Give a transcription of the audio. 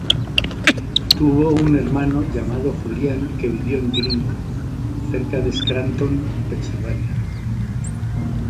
Tuvo un hermano llamado Julian que vivió en Greenwood, cerca de Scranton, Pensilvania.